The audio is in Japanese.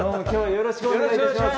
よろしくお願いします